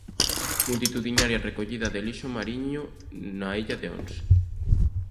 Multitudinaria recollida de lixo mariño na illa de Ons.